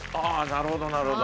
なるほどなるほど。